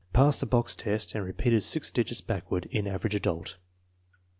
Passed the box test and re peated six digits backward in Average Adult.